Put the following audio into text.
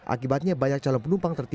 akibatnya banyak calon penumpang